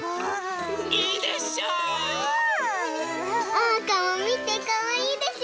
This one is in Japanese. おうかもみてかわいいでしょ？